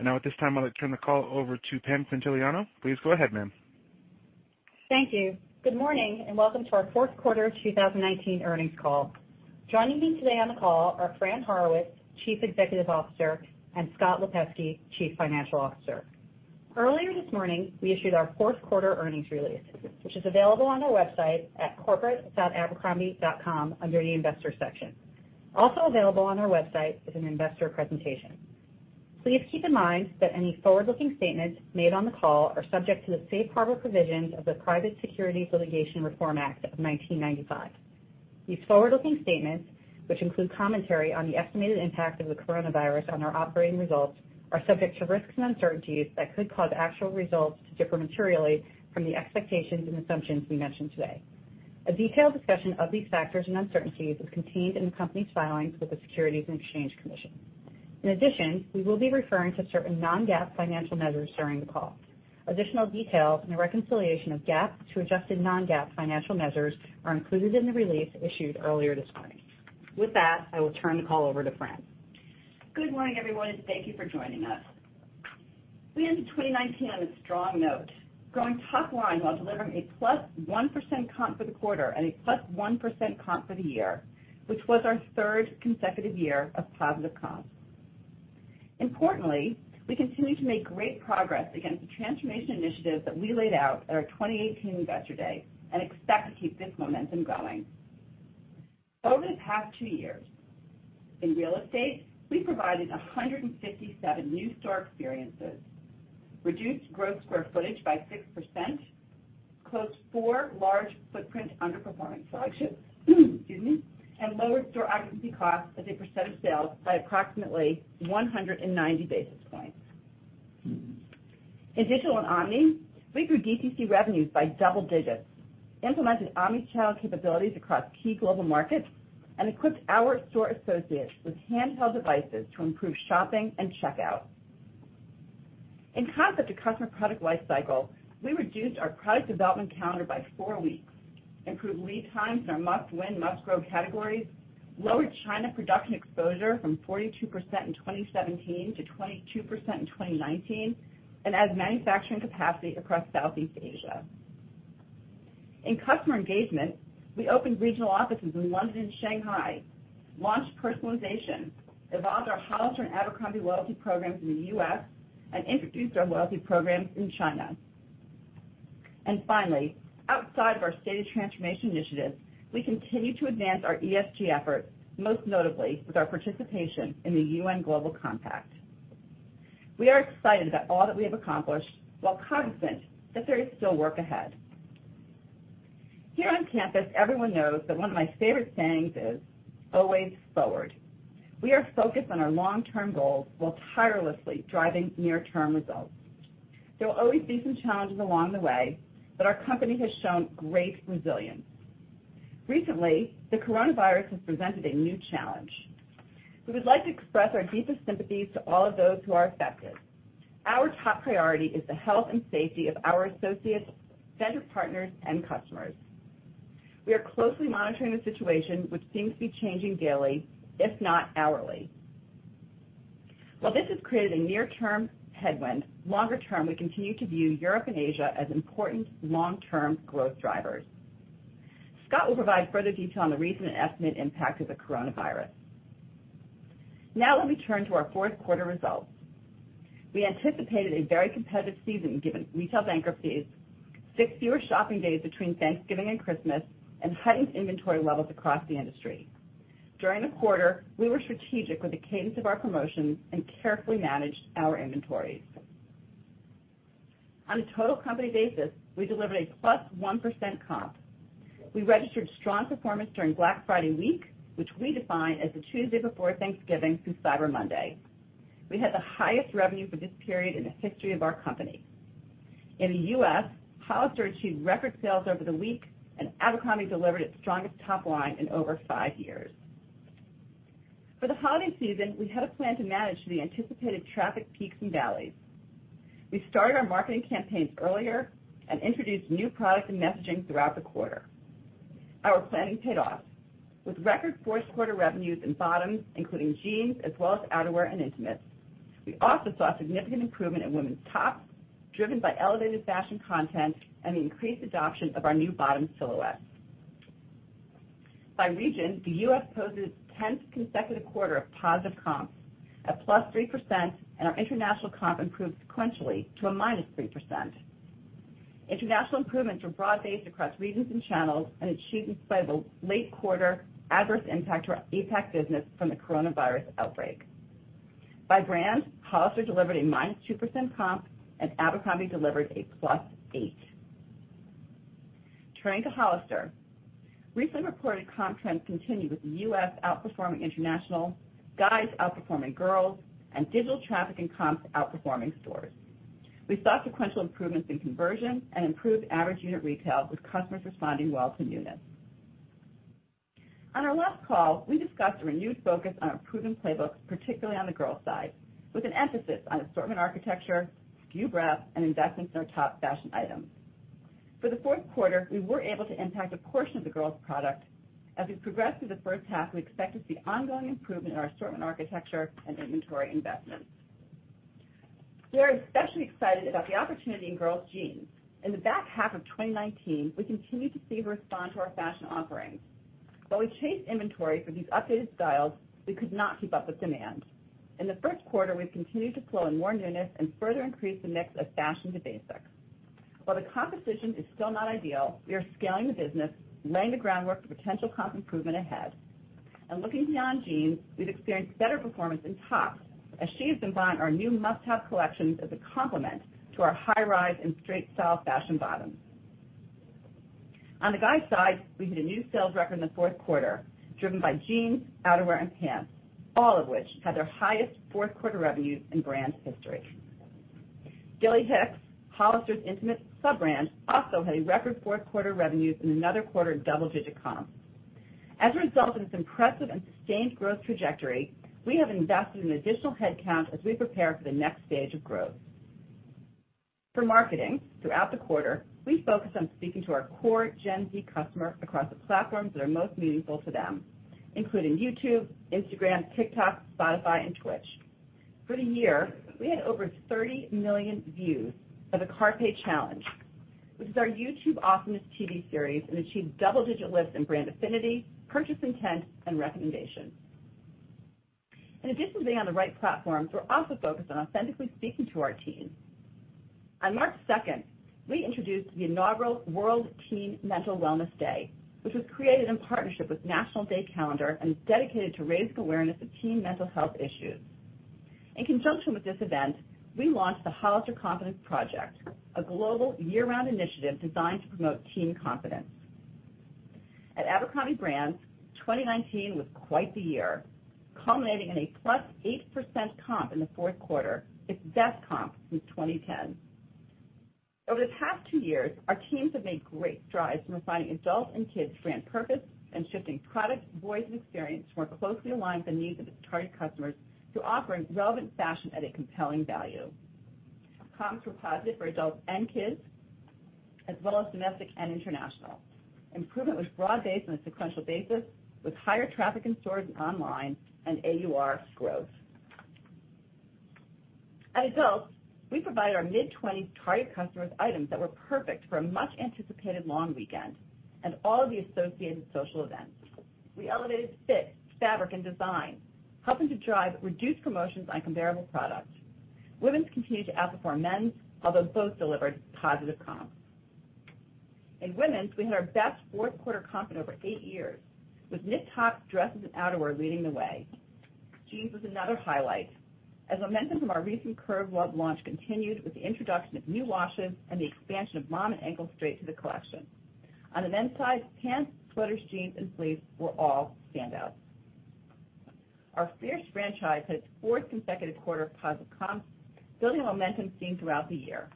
Now at this time, I'll turn the call over to Pam Quintiliano. Please go ahead, ma'am. Thank you. Good morning, welcome to our fourth quarter 2019 earnings call. Joining me today on the call are Fran Horowitz, Chief Executive Officer, and Scott Lipesky, Chief Financial Officer. Earlier this morning, we issued our fourth quarter earnings release, which is available on our website at corporate.abercrombie.com under the investor section. Also available on our website is an investor presentation. Please keep in mind that any forward-looking statements made on the call are subject to the safe harbor provisions of the Private Securities Litigation Reform Act of 1995. These forward-looking statements, which include commentary on the estimated impact of the coronavirus on our operating results, are subject to risks and uncertainties that could cause actual results to differ materially from the expectations and assumptions we mention today. A detailed discussion of these factors and uncertainties is contained in the company's filings with the Securities and Exchange Commission. In addition, we will be referring to certain non-GAAP financial measures during the call. Additional details and the reconciliation of GAAP to adjusted non-GAAP financial measures are included in the release issued earlier this morning. With that, I will turn the call over to Fran. Good morning, everyone, and thank you for joining us. We ended 2019 on a strong note, growing top line while delivering a +1% comp for the quarter and a +1% comp for the year, which was our third consecutive year of positive comps. Importantly, we continue to make great progress against the transformation initiatives that we laid out at our 2018 Investor Day and expect to keep this momentum going. Over the past two years in real estate, we provided 157 new store experiences, reduced gross square footage by 6%, closed four large footprint underperforming selections, excuse me, and lowered store occupancy costs as a percent of sales by approximately 190 basis points. In digital and omni, we grew DTC revenues by double digits, implemented omni-channel capabilities across key global markets, and equipped our store associates with handheld devices to improve shopping and checkout. In concept to customer product lifecycle, we reduced our product development calendar by four weeks, improved lead times in our must-win, must-grow categories, lowered China production exposure from 42% in 2017 to 22% in 2019, and added manufacturing capacity across Southeast Asia. In customer engagement, we opened regional offices in London and Shanghai, launched personalization, evolved our Hollister and Abercrombie loyalty programs in the U.S., and introduced our loyalty programs in China. Finally, outside of our stated transformation initiatives, we continue to advance our ESG efforts, most notably with our participation in the UN Global Compact. We are excited about all that we have accomplished while cognizant that there is still work ahead. Here on campus, everyone knows that one of my favorite sayings is always forward. We are focused on our long-term goals while tirelessly driving near-term results. There will always be some challenges along the way, but our company has shown great resilience. Recently, the coronavirus has presented a new challenge. We would like to express our deepest sympathies to all of those who are affected. Our top priority is the health and safety of our associates, vendor partners, and customers. We are closely monitoring the situation, which seems to be changing daily, if not hourly. While this has created a near-term headwind, longer term, we continue to view Europe and Asia as important long-term growth drivers. Scott will provide further detail on the recent and estimated impact of the coronavirus. Now let me turn to our fourth quarter results. We anticipated a very competitive season given retail bankruptcies, six fewer shopping days between Thanksgiving and Christmas, and heightened inventory levels across the industry. During the quarter, we were strategic with the cadence of our promotions and carefully managed our inventories. On a total company basis, we delivered a +1% comp. We registered strong performance during Black Friday week, which we define as the Tuesday before Thanksgiving through Cyber Monday. We had the highest revenue for this period in the history of our company. In the U.S., Hollister achieved record sales over the week, and Abercrombie delivered its strongest top line in over five years. For the holiday season, we had a plan to manage the anticipated traffic peaks and valleys. We started our marketing campaigns earlier and introduced new product and messaging throughout the quarter. Our planning paid off with record fourth quarter revenues in bottoms, including jeans, as well as outerwear and intimates. We also saw significant improvement in women's tops, driven by elevated fashion content and the increased adoption of our new bottom silhouettes. By region, the U.S. posted its 10th consecutive quarter of positive comps at +3%, and our international comp improved sequentially to a -3%. International improvements were broad-based across regions and channels and achieved despite the late quarter adverse impact to our APAC business from the coronavirus outbreak. By brand, Hollister delivered a -2% comp, and Abercrombie delivered a +8%. Turning to Hollister. Recent reported comp trends continue with the U.S. outperforming international, guys outperforming girls, and digital traffic and comps outperforming stores. We saw sequential improvements in conversion and improved average unit retail, with customers responding well to newness. On our last call, we discussed a renewed focus on our proven playbook, particularly on the girls' side, with an emphasis on assortment architecture, SKU breadth, and investments in our top fashion items. For the fourth quarter, we were able to impact a portion of the girls' product. As we progress through the first half, we expect to see ongoing improvement in our assortment architecture and inventory investments. We are especially excited about the opportunity in girls' jeans. In the back half of 2019, we continued to see them respond to our fashion offerings. While we chased inventory for these updated styles, we could not keep up with demand. In the first quarter, we've continued to flow in more newness and further increase the mix of fashion to basics. While the composition is still not ideal, we are scaling the business, laying the groundwork for potential comp improvement ahead. Looking beyond jeans, we've experienced better performance in tops as she has been buying our new must-have collections as a complement to our high rise and straight style fashion bottoms. On the guys side, we hit a new sales record in the fourth quarter, driven by jeans, outerwear, and pants, all of which had their highest fourth quarter revenues in brand history. Gilly Hicks, Hollister's intimate sub-brand, also had a record fourth quarter revenues and another quarter of double-digit comps. As a result of this impressive and sustained growth trajectory, we have invested in additional headcount as we prepare for the next stage of growth. For marketing, throughout the quarter, we focused on speaking to our core Gen Z customer across the platforms that are most meaningful to them, including YouTube, Instagram, TikTok, Spotify, and Twitch. For the year, we had over 30 million views of The Carpe Challenge, which is our YouTube Optimist TV series, and achieved double-digit lifts in brand affinity, purchase intent, and recommendations. In addition to being on the right platforms, we're also focused on authentically speaking to our teens. On March 2nd, we introduced the inaugural World Teen Mental Wellness Day, which was created in partnership with National Day Calendar and is dedicated to raising awareness of teen mental health issues. In conjunction with this event, we launched the Hollister Confidence Project, a global year-round initiative designed to promote teen confidence. At Abercrombie Brands, 2019 was quite the year, culminating in a +8% comp in the fourth quarter, its best comp since 2010. Over the past two years, our teams have made great strides in refining adult and kids brand purpose and shifting product, voice, and experience to more closely align with the needs of its target customers through offering relevant fashion at a compelling value. Comps were positive for adults and kids, as well as domestic and international. Improvement was broad-based on a sequential basis, with higher traffic in stores and online and AUR growth. At adults, we provided our mid-20s target customers items that were perfect for a much-anticipated long weekend and all of the associated social events. We elevated fit, fabric, and design, helping to drive reduced promotions on comparable products. Women's continued to outperform men's, although both delivered positive comps. In women's, we had our best fourth quarter comp in over eight years, with knit tops, dresses, and outerwear leading the way. Jeans was another highlight as momentum from our recent Curve Love launch continued with the introduction of new washes and the expansion of mom and ankle straight to the collection. On the men's side, pants, sweaters, jeans, and sleeves were all standouts. Our Fierce franchise had its fourth consecutive quarter of positive comps, building on momentum seen throughout the year.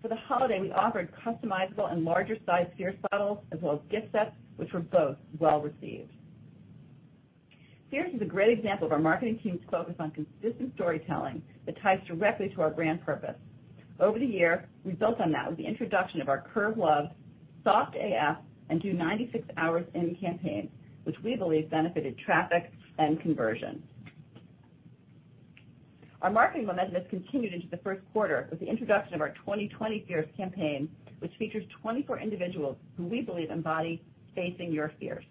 For the holiday, we offered customizable and larger size Fierce bottles as well as gift sets, which were both well-received. Fierce is a great example of our marketing team's focus on consistent storytelling that ties directly to our brand purpose. Over the year, we built on that with the introduction of our Curve Love, Soft AF, and Do 96 Hours In campaigns, which we believe benefited traffic and conversion. Our marketing momentum has continued into the first quarter with the introduction of our 2020 Fierce campaign, which features 24 individuals who we believe embody facing your fears.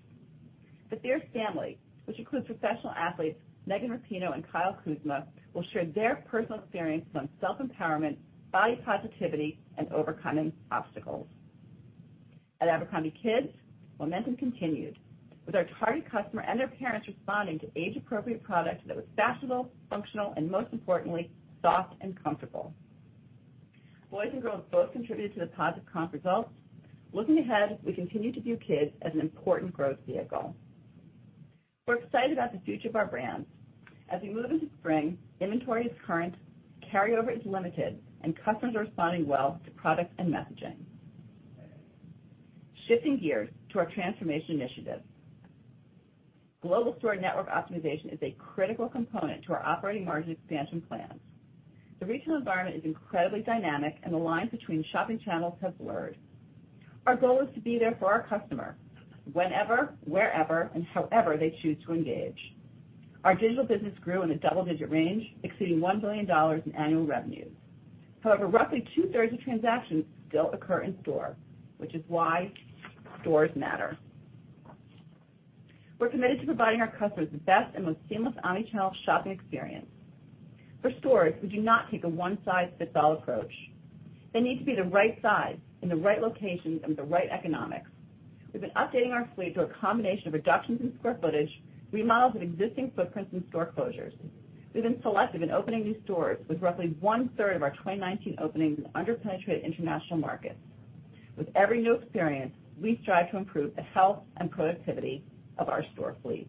The Fierce family, which includes professional athletes Megan Rapinoe and Kyle Kuzma, will share their personal experiences on self-empowerment, body positivity, and overcoming obstacles. At Abercrombie Kids, momentum continued, with our target customer and their parents responding to age-appropriate product that was fashionable, functional, and most importantly, soft and comfortable. Boys and girls both contributed to the positive comp results. Looking ahead, we continue to view kids as an important growth vehicle. We're excited about the future of our brands. As we move into spring, inventory is current, carryover is limited, and customers are responding well to product and messaging. Shifting gears to our transformation initiative. Global store network optimization is a critical component to our operating margin expansion plans. The retail environment is incredibly dynamic, and the lines between shopping channels have blurred. Our goal is to be there for our customer whenever, wherever, and however they choose to engage. Our digital business grew in the double-digit range, exceeding $1 billion in annual revenue. However, roughly two-thirds of transactions still occur in-store, which is why stores matter. We're committed to providing our customers the best and most seamless omnichannel shopping experience. For stores, we do not take a one size fits all approach. They need to be the right size in the right locations and with the right economics. We've been updating our fleet through a combination of reductions in square footage, remodels of existing footprints, and store closures. We've been selective in opening new stores, with roughly one-third of our 2019 openings in under-penetrated international markets. With every new experience, we strive to improve the health and productivity of our store fleet.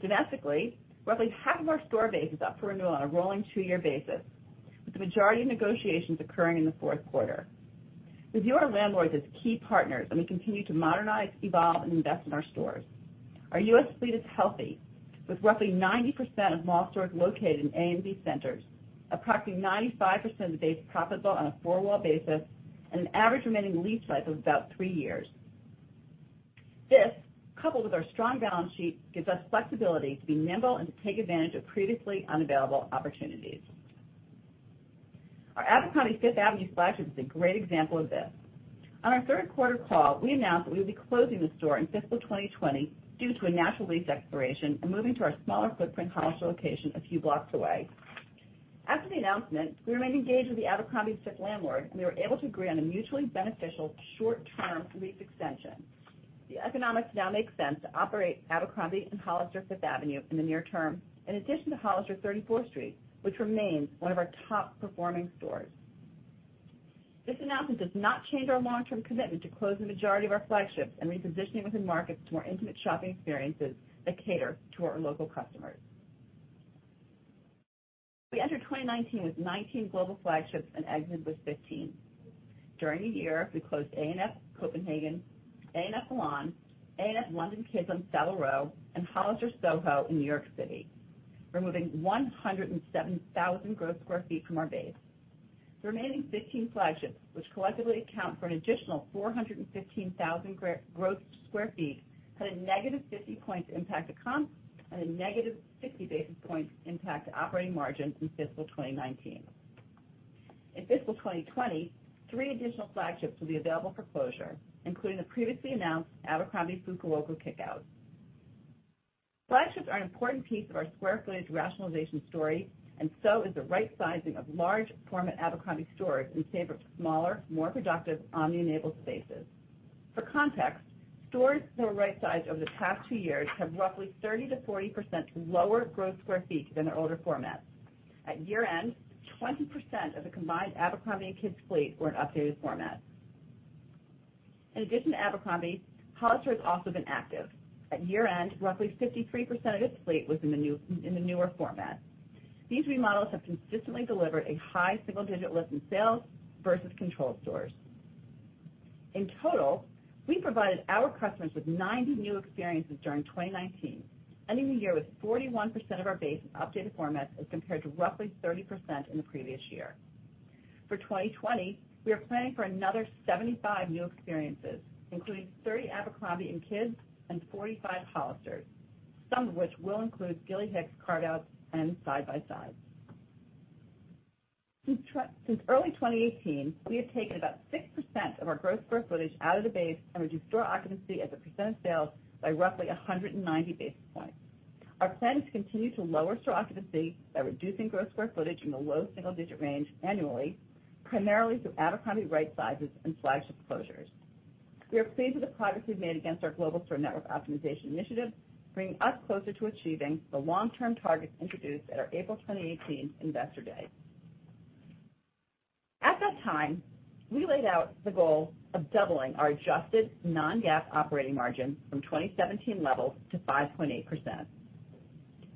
Domestically, roughly half of our store base is up for renewal on a rolling two-year basis, with the majority of negotiations occurring in the fourth quarter. We view our landlords as key partners, and we continue to modernize, evolve, and invest in our stores. Our U.S. fleet is healthy, with roughly 90% of mall stores located in A and B centers, approximately 95% of the base profitable on a four-wall basis, and an average remaining lease life of about three years. This, coupled with our strong balance sheet, gives us flexibility to be nimble and to take advantage of previously unavailable opportunities. Our Abercrombie Fifth Avenue flagship is a great example of this. On our third quarter call, we announced that we would be closing the store in fiscal 2020 due to a natural lease expiration and moving to our smaller footprint Hollister location a few blocks away. After the announcement, we remained engaged with the Abercrombie Fifth landlord, and we were able to agree on a mutually beneficial short-term lease extension. The economics now make sense to operate Abercrombie and Hollister Fifth Avenue in the near term, in addition to Hollister 34th Street, which remains one of our top-performing stores. This announcement does not change our long-term commitment to close the majority of our flagships and repositioning within markets to more intimate shopping experiences that cater to our local customers. We entered 2019 with 19 global flagships and exited with 15. During the year, we closed A&F Copenhagen, A&F Milan, A&F London Kids on Savile Row, and Hollister SoHo in New York City, removing 107,000 gross square feet from our base. The remaining 15 flagships, which collectively account for an additional 415,000 gross square feet, had a -50 points impact to comp and a -60 basis points impact to operating margin in fiscal 2019. In fiscal 2020, three additional flagships will be available for closure, including the previously announced Abercrombie Fukuoka kick-out. Flagships are an important piece of our square footage rationalization story, and so is the right sizing of large format Abercrombie stores in favor of smaller, more productive omni-enabled spaces. For context, stores that were right-sized over the past two years have roughly 30%-40% lower gross sq ft than their older formats. At year-end, 20% of the combined Abercrombie and Kids fleet were an updated format. In addition to Abercrombie, Hollister has also been active. At year-end, roughly 53% of its fleet was in the newer format. These remodels have consistently delivered a high single-digit lift in sales versus control stores. In total, we provided our customers with 90 new experiences during 2019, ending the year with 41% of our base in updated formats as compared to roughly 30% in the previous year. For 2020, we are planning for another 75 new experiences, including 30 Abercrombie & Kids and 45 Hollisters, some of which will include Gilly Hicks carve-outs and side-by-sides. Since early 2018, we have taken about 6% of our gross square footage out of the base and reduced store occupancy as a percent of sales by roughly 190 basis points. Our plan is to continue to lower store occupancy by reducing gross square footage in the low single-digit range annually, primarily through Abercrombie right sizes and flagship closures. We are pleased with the progress we've made against our Global Store Network Optimization Initiative, bringing us closer to achieving the long-term targets introduced at our April 2018 Investor Day. At that time, we laid out the goal of doubling our adjusted non-GAAP operating margin from 2017 levels to 5.8%.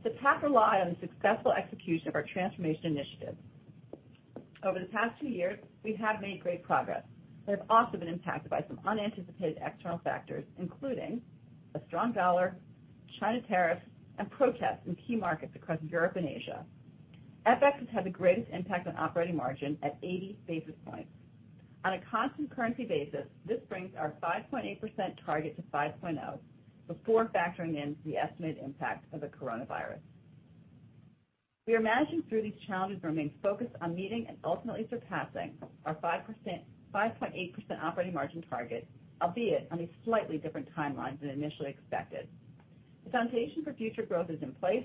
The path relies on the successful execution of our Transformation Initiative. Over the past two years, we have made great progress, but have also been impacted by some unanticipated external factors, including a strong dollar, China tariffs, and protests in key markets across Europe and Asia. FX has had the greatest impact on operating margin at 80 basis points. On a constant currency basis, this brings our 5.8% target to 5.0%, before factoring in the estimated impact of the coronavirus. We are managing through these challenges and remain focused on meeting and ultimately surpassing our 5.8% operating margin target, albeit on a slightly different timeline than initially expected. The foundation for future growth is in place.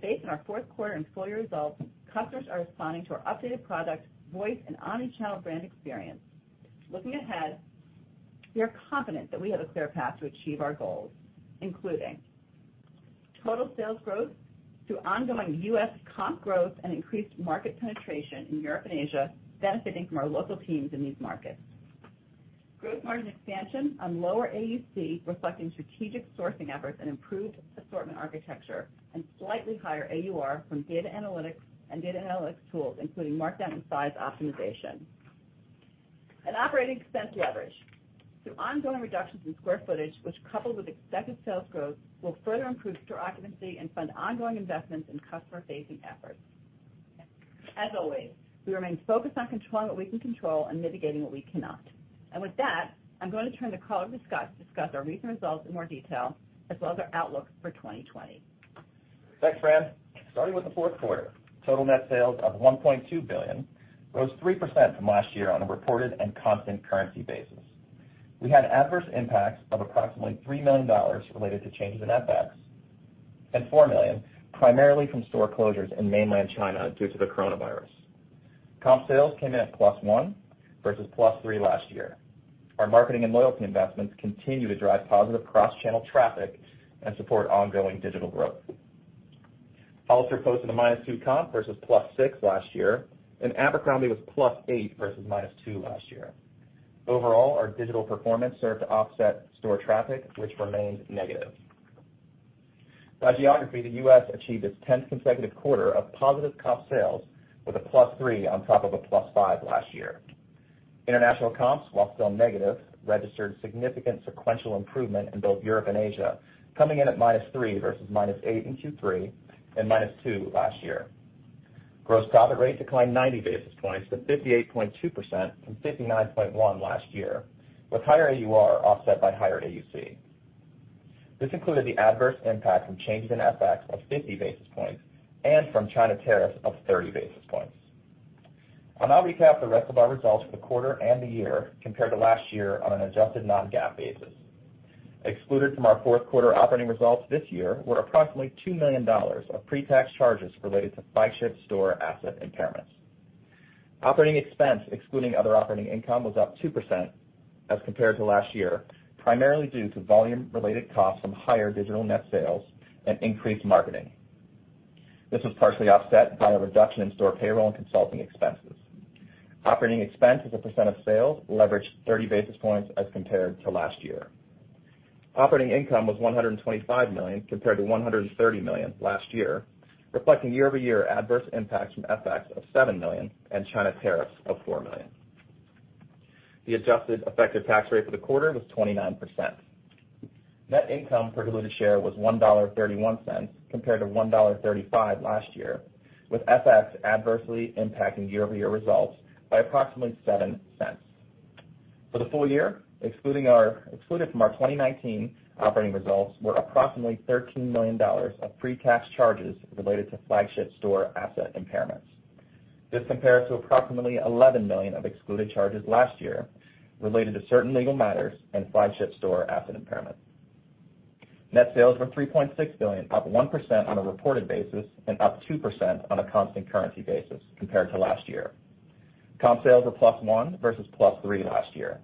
Based on our fourth quarter and full-year results, customers are responding to our updated product, voice, and omni-channel brand experience. Looking ahead, we are confident that we have a clear path to achieve our goals, including total sales growth through ongoing U.S. comp growth and increased market penetration in Europe and Asia, benefiting from our local teams in these markets, Gross margin expansion on lower AUC, reflecting strategic sourcing efforts and improved assortment architecture, and slightly higher AUR from data analytics and data analytics tools, including markdown and size optimization. Operating expense leverage through ongoing reductions in square footage, which coupled with expected sales growth, will further improve store occupancy and fund ongoing investments in customer-facing efforts. As always, we remain focused on controlling what we can control and mitigating what we cannot. With that, I'm going to turn the call over to Scott to discuss our recent results in more detail, as well as our outlook for 2020. Thanks, Fran. Starting with the fourth quarter, total net sales of $1.2 billion rose 3% from last year on a reported and constant currency basis. We had adverse impacts of approximately $3 million related to changes in FX and $4 million primarily from store closures in mainland China due to the coronavirus. Comp sales came in at +1 versus +3 last year. Our marketing and loyalty investments continue to drive positive cross-channel traffic and support ongoing digital growth. Hollister posted a -2 comp versus +6 last year, and Abercrombie was +8 versus -2 last year. Overall, our digital performance served to offset store traffic, which remained negative. By geography, the U.S. achieved its 10th consecutive quarter of positive comp sales with a +3 on top of a +5 last year. International comps, while still negative, registered significant sequential improvement in both Europe and Asia, coming in at -3 versus -8 in Q3 and -2 last year. Gross profit rate declined 90 basis points to 58.2% from 59.1% last year, with higher AUR offset by higher AUC. This included the adverse impact from changes in FX of 50 basis points and from China tariffs of 30 basis points. I'll now recap the rest of our results for the quarter and the year compared to last year on an adjusted non-GAAP basis. Excluded from our fourth quarter operating results this year were approximately $2 million of pre-tax charges related to flagship store asset impairments. Operating expense, excluding other operating income, was up 2% as compared to last year, primarily due to volume-related costs from higher digital net sales and increased marketing. This was partially offset by a reduction in store payroll and consulting expenses. Operating expense as a percent of sales leveraged 30 basis points as compared to last year. Operating income was $125 million compared to $130 million last year, reflecting year-over-year adverse impacts from FX of $7 million and China tariffs of $4 million. The adjusted effective tax rate for the quarter was 29%. Net income per diluted share was $1.31 compared to $1.35 last year, with FX adversely impacting year-over-year results by approximately $0.07. For the full year, excluded from our 2019 operating results were approximately $13 million of pre-tax charges related to flagship store asset impairments. This compares to approximately $11 million of excluded charges last year related to certain legal matters and flagship store asset impairment. Net sales were $3.6 billion, up 1% on a reported basis and up 2% on a constant currency basis compared to last year. Comp sales were +1 versus +3 last year.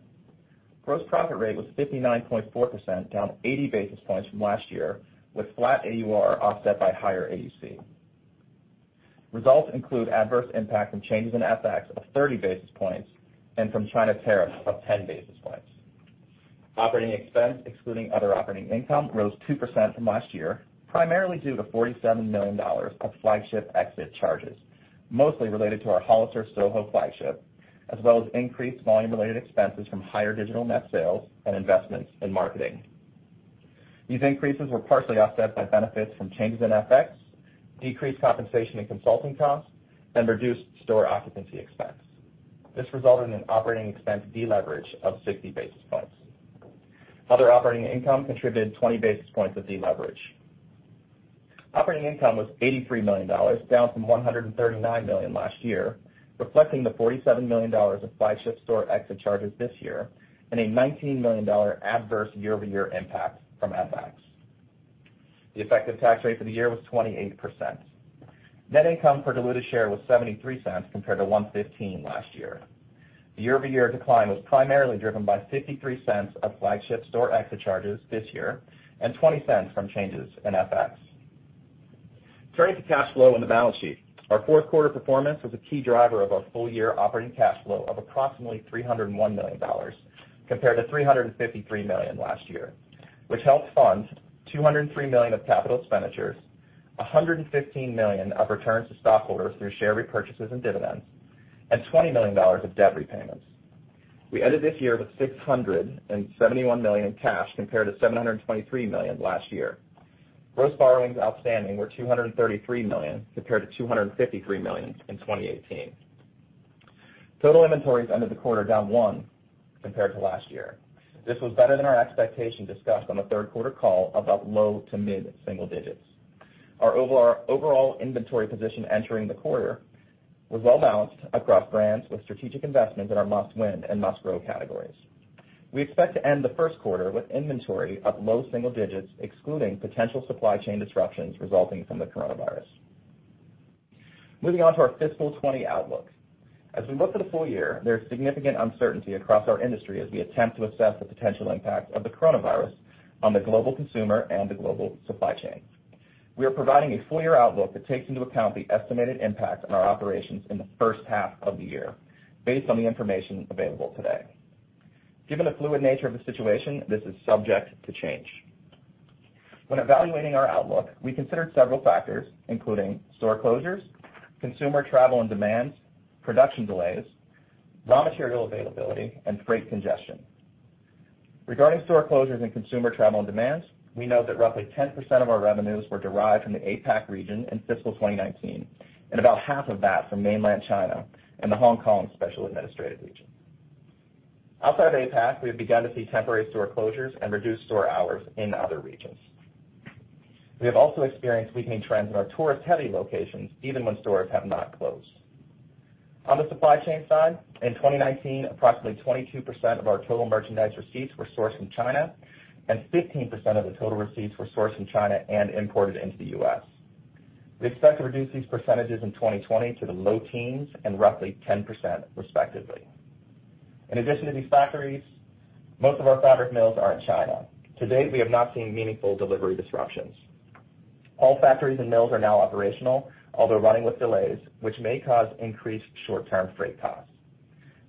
Gross profit rate was 59.4%, down 80 basis points from last year with flat AUR offset by higher AUC. Results include adverse impact from changes in FX of 30 basis points and from China tariffs of 10 basis points. Operating expense, excluding other operating income, rose 2% from last year, primarily due to $47 million of flagship exit charges, mostly related to our Hollister Soho flagship, as well as increased volume-related expenses from higher digital net sales and investments in marketing. These increases were partially offset by benefits from changes in FX, decreased compensation and consulting costs, and reduced store occupancy expense. This resulted in an operating expense deleverage of 60 basis points. Other operating income contributed 20 basis points of deleverage. Operating income was $83 million, down from $139 million last year, reflecting the $47 million of flagship store exit charges this year and a $19 million adverse year-over-year impact from FX. The effective tax rate for the year was 28%. Net income per diluted share was $0.73 compared to $1.15 last year. The year-over-year decline was primarily driven by $0.53 of flagship store exit charges this year and $0.20 from changes in FX. Turning to cash flow and the balance sheet. Our fourth quarter performance was a key driver of our full-year operating cash flow of approximately $301 million compared to $353 million last year, which helped fund $203 million of capital expenditures, $115 million of returns to stockholders through share repurchases and dividends, and $20 million of debt repayments. We ended this year with $671 million in cash compared to $723 million last year. Gross borrowings outstanding were $233 million compared to $253 million in 2018. Total inventories ended the quarter down one compared to last year. This was better than our expectation discussed on the third quarter call of up low to mid-single digits. Our overall inventory position entering the quarter was well-balanced across brands with strategic investments in our must-win and must-grow categories. We expect to end the first quarter with inventory up low single digits excluding potential supply chain disruptions resulting from the coronavirus. Moving on to our fiscal 2020 outlook. As we look to the full year, there is significant uncertainty across our industry as we attempt to assess the potential impact of the coronavirus on the global consumer and the global supply chain. We are providing a full-year outlook that takes into account the estimated impact on our operations in the first half of the year based on the information available today. Given the fluid nature of the situation, this is subject to change. When evaluating our outlook, we considered several factors, including store closures, consumer travel and demands, production delays, raw material availability, and freight congestion. Regarding store closures and consumer travel and demands, we know that roughly 10% of our revenues were derived from the APAC region in fiscal 2019, and about half of that from mainland China and the Hong Kong Special Administrative Region. Outside of APAC, we have begun to see temporary store closures and reduced store hours in other regions. We have also experienced weakening trends in our tourist-heavy locations, even when stores have not closed. On the supply chain side, in 2019, approximately 22% of our total merchandise receipts were sourced from China, and 15% of the total receipts were sourced from China and imported into the U.S. We expect to reduce these percentages in 2020 to the low teens and roughly 10%, respectively. In addition to these factories, most of our fabric mills are in China. To date, we have not seen meaningful delivery disruptions. All factories and mills are now operational, although running with delays, which may cause increased short-term freight costs.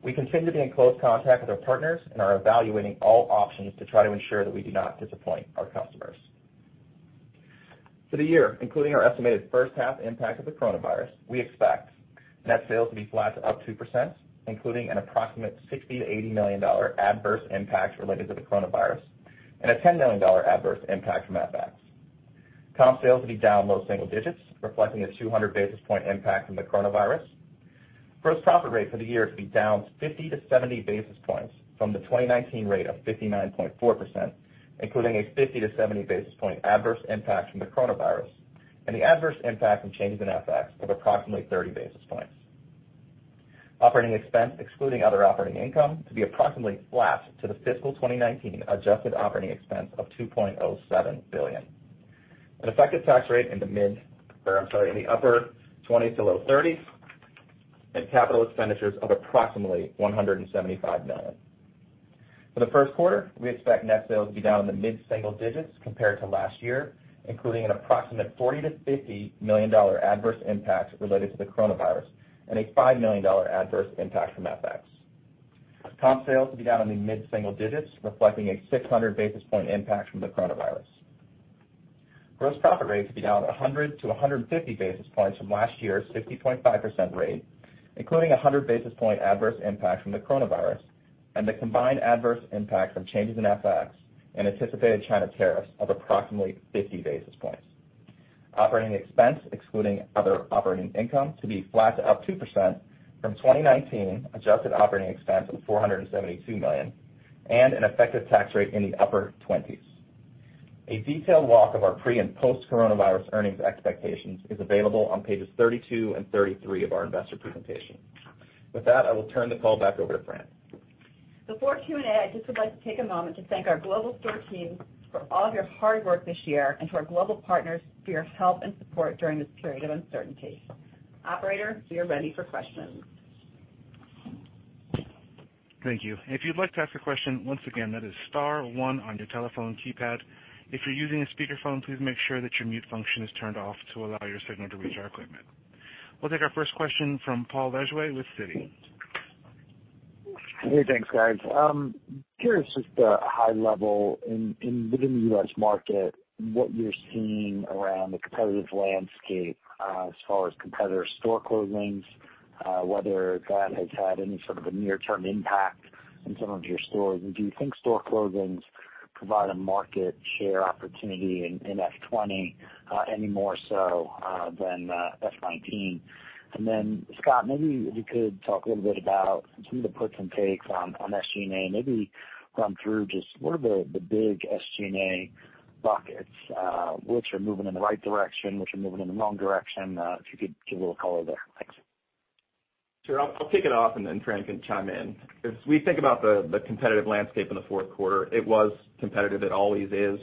We continue to be in close contact with our partners and are evaluating all options to try to ensure that we do not disappoint our customers. For the year, including our estimated first half impact of the coronavirus, we expect net sales to be flat to up 2%, including an approximate $60 million-$80 million adverse impact related to the coronavirus and a $10 million adverse impact from FX. Comp sales will be down low single digits, reflecting a 200 basis point impact from the coronavirus. Gross profit rate for the year to be down 50-70 basis points from the 2019 rate of 59.4%, including a 50-70 basis point adverse impact from the coronavirus and the adverse impact from changes in FX of approximately 30 basis points. Operating expense excluding other operating income to be approximately flat to the fiscal 2019 adjusted operating expense of $2.07 billion. An effective tax rate in the mid I'm sorry, in the upper 20s to low 30s, and capital expenditures of approximately $175 million. For the first quarter, we expect net sales to be down in the mid-single digits compared to last year, including an approximate $40 million-$50 million adverse impact related to the coronavirus and a $5 million adverse impact from FX. Comp sales to be down in the mid-single digits, reflecting a 600 basis point impact from the coronavirus. Gross profit rate to be down 100-150 basis points from last year's 50.5% rate, including 100 basis point adverse impact from the coronavirus and the combined adverse impact from changes in FX and anticipated China tariffs of approximately 50 basis points. Operating expense, excluding other operating income, to be flat to up 2% from 2019 adjusted operating expense of $472 million and an effective tax rate in the upper 20s. A detailed walk of our pre- and post-coronavirus earnings expectations is available on pages 32 and 33 of our investor presentation. With that, I will turn the call back over to Fran. Before Q&A, I just would like to take a moment to thank our global store team for all of your hard work this year and to our global partners for your help and support during this period of uncertainty. Operator, we are ready for questions. Thank you. If you'd like to ask a question, once again, that is star one on your telephone keypad. If you're using a speakerphone, please make sure that your mute function is turned off to allow your signal to reach our equipment. We'll take our first question from Paul Lejuez with Citi. Hey, thanks, guys. Curious, just a high level within the U.S. market, what you're seeing around the competitive landscape as far as competitor store closings whether that has had any sort of a near-term impact on some of your stores. Do you think store closings provide a market share opportunity in FY 2020 any more so than FY 2019? Then, Scott, maybe if you could talk a little bit about some of the puts and takes on SG&A. Maybe run through just what are the big SG&A buckets which are moving in the right direction, which are moving in the wrong direction if you could give a little color there. Thanks. Sure. I'll kick it off, and then Fran can chime in. As we think about the competitive landscape in the fourth quarter, it was competitive. It always is.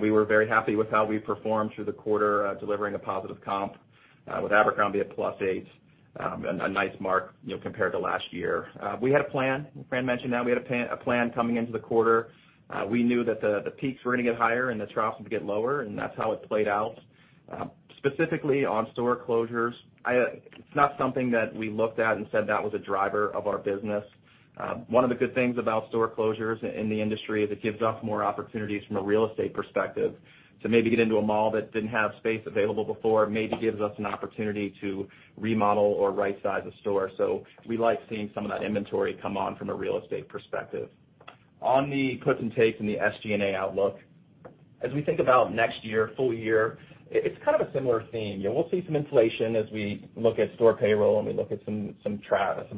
We were very happy with how we performed through the quarter, delivering a positive comp with Abercrombie at +8, a nice mark compared to last year. We had a plan. Fran mentioned that we had a plan coming into the quarter. We knew that the peaks were going to get higher and the troughs would get lower, and that's how it played out. Specifically on store closures, it's not something that we looked at and said that was a driver of our business. One of the good things about store closures in the industry is it gives us more opportunities from a real estate perspective to maybe get into a mall that didn't have space available before. Maybe gives us an opportunity to remodel or right-size a store. We like seeing some of that inventory come on from a real estate perspective. On the puts and takes in the SG&A outlook, as we think about next year, full year, it's kind of a similar theme. We'll see some inflation as we look at store payroll and we look at some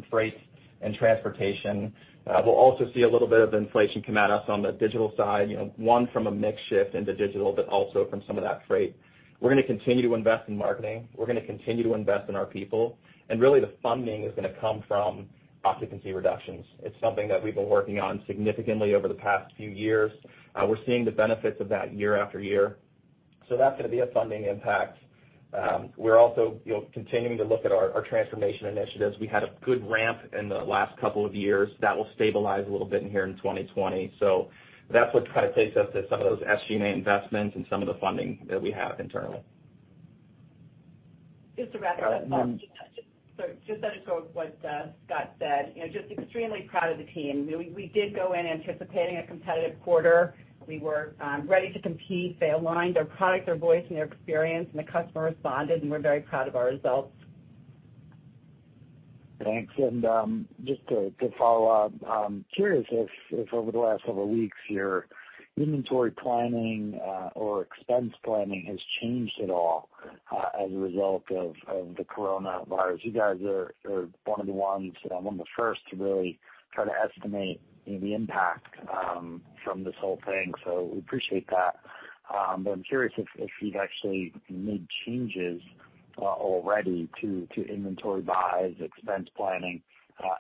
freight and transportation. We'll also see a little bit of inflation come at us on the digital side, one from a mix shift into digital, but also from some of that freight. We're going to continue to invest in marketing. We're going to continue to invest in our people, and really the funding is going to come from occupancy reductions. It's something that we've been working on significantly over the past few years. We're seeing the benefits of that year after year. That's going to be a funding impact. We're also continuing to look at our transformation initiatives. We had a good ramp in the last couple of years. That will stabilize a little bit in here in 2020. That's what takes us to some of those SG&A investments and some of the funding that we have internally. Just to wrap that up, just to echo what Scott said, just extremely proud of the team. We did go in anticipating a competitive quarter. We were ready to compete. They aligned their product, their voice, and their experience, and the customer responded, and we are very proud of our results. Thanks. Just to follow up, curious if over the last several weeks, your inventory planning or expense planning has changed at all as a result of the coronavirus. You guys are one of the ones, one of the first to really try to estimate the impact from this whole thing. We appreciate that. I'm curious if you've actually made changes already to inventory buys, expense planning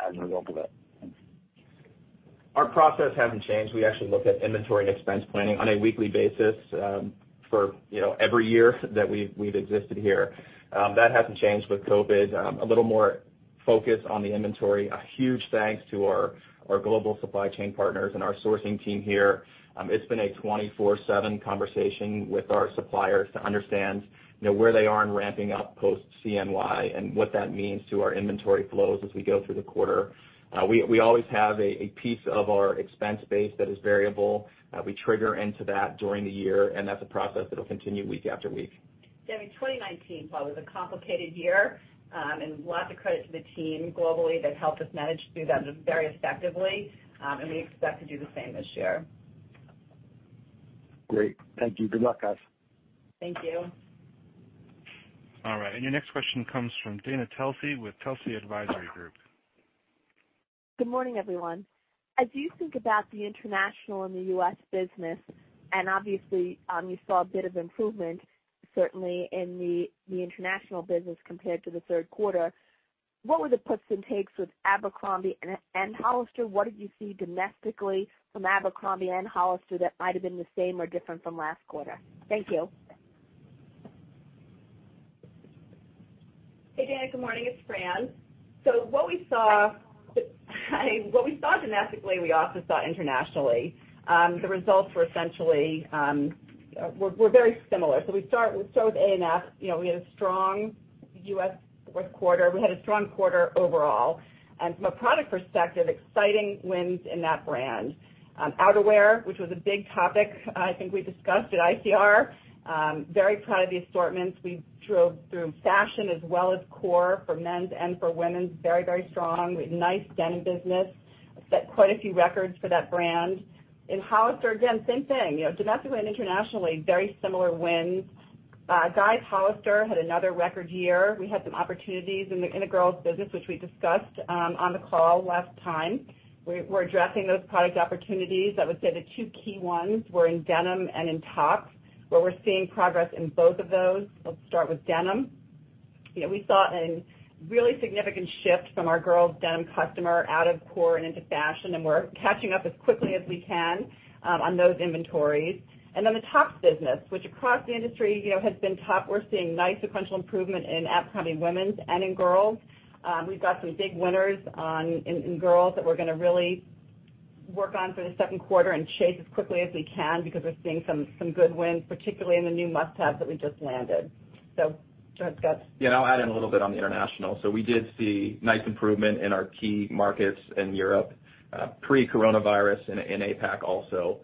as a result of it. Thanks. Our process hasn't changed. We actually look at inventory and expense planning on a weekly basis for every year that we've existed here. That hasn't changed with COVID, a little more focus on the inventory. A huge thanks to our global supply chain partners and our sourcing team here. It's been a 24/7 conversation with our suppliers to understand where they are in ramping up post-CNY and what that means to our inventory flows as we go through the quarter. We always have a piece of our expense base that is variable. We trigger into that during the year, and that's a process that will continue week after week. Then in 2019 probably was a complicated year, and lots of credit to the team globally that helped us manage through that very effectively, and we expect to do the same this year. Great. Thank you. Good luck, guys. Thank you. All right. Your next question comes from Dana Telsey with Telsey Advisory Group. Good morning, everyone. As you think about the international and the U.S. business, obviously, you saw a bit of improvement, certainly in the international business compared to the third quarter, what were the puts and takes with Abercrombie and Hollister? What did you see domestically from Abercrombie and Hollister that might have been the same or different from last quarter? Thank you. Hey, Dana, good morning, it's Fran. What we saw domestically, we also saw internationally. The results were very similar. Let's start with A&F. We had a strong U.S. fourth quarter. We had a strong quarter overall. From a product perspective, exciting wins in that brand. Outerwear, which was a big topic, I think we discussed at ICR. Very proud of the assortments. We drove through fashion as well as core for men's and for women's, very strong. We had nice denim business. Set quite a few records for that brand. In Hollister, again, same thing. Domestically and internationally, very similar wins. Guys Hollister had another record year. We had some opportunities in the girls business, which we discussed on the call last time. We're addressing those product opportunities. I would say the two key ones were in denim and in tops, where we're seeing progress in both of those. Let's start with denim. We saw a really significant shift from our girls denim customer out of core and into fashion. We're catching up as quickly as we can on those inventories. The tops business, which across the industry has been top. We're seeing nice sequential improvement in Abercrombie women's and in girls. We've got some big winners in girls that we're gonna really work on for the second quarter and chase as quickly as we can because we're seeing some good wins, particularly in the new must-haves that we just landed. Go ahead, Scott. I'll add in a little bit on the international. We did see nice improvement in our key markets in Europe, pre-coronavirus, and in APAC also.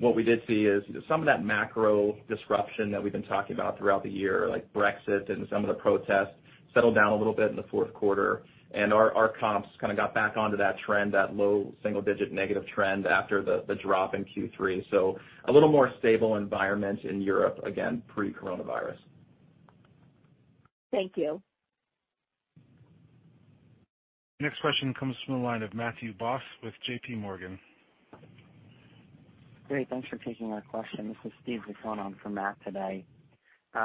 What we did see is some of that macro disruption that we've been talking about throughout the year, like Brexit and some of the protests, settle down a little bit in the fourth quarter, and our comps got back onto that trend, that low single-digit negative trend after the drop in Q3. A little more stable environment in Europe, again, pre-coronavirus. Thank you. Next question comes from the line of Matthew Boss with JPMorgan. Great, thanks for taking my question. This is Steve Zaccone on for Matt today.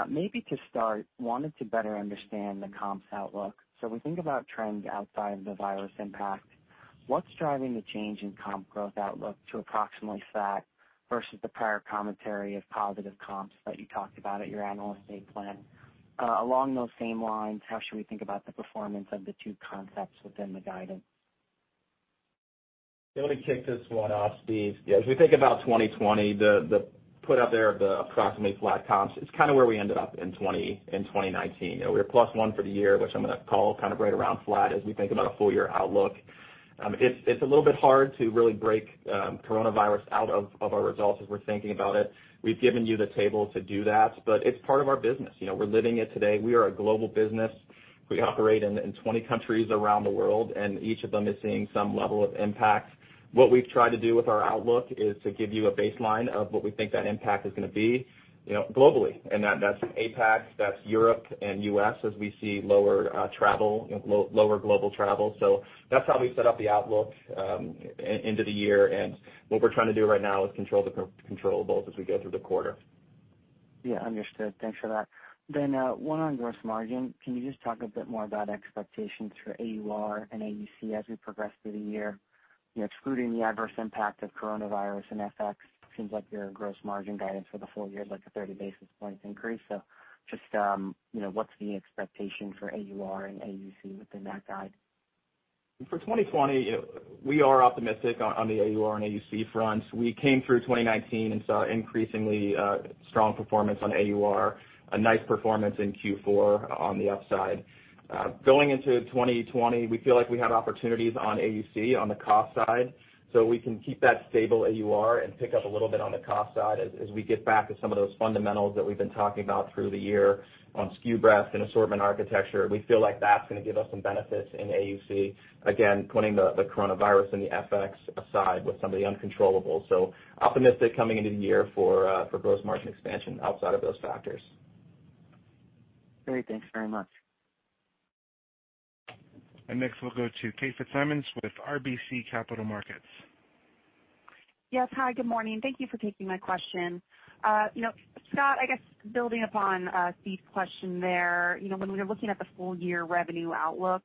Maybe to start, wanted to better understand the comps outlook. We think about trends outside the coronavirus impact. What's driving the change in comp growth outlook to approximately flat versus the prior commentary of positive comps that you talked about at your Analyst Day plan? Along those same lines, how should we think about the performance of the two concepts within the guidance? Be able to kick this one off, Steve. As we think about 2020, the put out there of the approximately flat comps, it's where we ended up in 2019. We were +1 for the year, which I'm going to call right around flat as we think about a full year outlook. It's a little bit hard to really break coronavirus out of our results as we're thinking about it. We've given you the table to do that, but it's part of our business. We're living it today. We are a global business. We operate in 20 countries around the world, and each of them is seeing some level of impact. What we've tried to do with our outlook is to give you a baseline of what we think that impact is going to be globally, and that's APAC, that's Europe, and U.S. as we see lower global travel. That's how we've set up the outlook into the year, and what we're trying to do right now is control the controllables as we go through the quarter. Yeah, understood. Thanks for that. One on gross margin. Can you just talk a bit more about expectations for AUR and AUC as we progress through the year? Excluding the adverse impact of coronavirus and FX, seems like your gross margin guidance for the full year is like a 30 basis point increase. Just what's the expectation for AUR and AUC within that guide? For 2020, we are optimistic on the AUR and AUC fronts. We came through 2019 and saw increasingly strong performance on AUR, a nice performance in Q4 on the upside. Going into 2020, we feel like we have opportunities on AUC on the cost side, so we can keep that stable AUR and pick up a little bit on the cost side as we get back to some of those fundamentals that we've been talking about through the year on SKU breadth and assortment architecture. We feel like that's gonna give us some benefits in AUC. Again, putting the coronavirus and the FX aside with some of the uncontrollables. Optimistic coming into the year for gross margin expansion outside of those factors. Great. Thanks very much. Next, we'll go to Kate Fitzsimons with RBC Capital Markets. Yes, hi, good morning. Thank you for taking my question. Scott, I guess building upon Steve's question there, when we are looking at the full year revenue outlook,